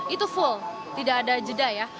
itu full tidak ada jeda ya